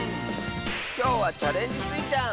きょうは「チャレンジスイちゃん」！